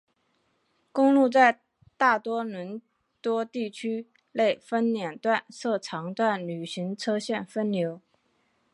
公路在大多伦多地区内分两段设长短途行车线分流。